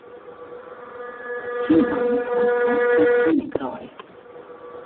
Syn hoanne moat altyd kening kraaie.